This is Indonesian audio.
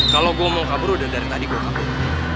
kalau gue mau kabur udah dari tadi gue kabur